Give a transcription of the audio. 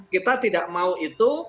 kita tidak mau itu